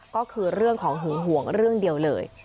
ก็คือเรื่องของหึงห่วงเรื่องเดียวเลย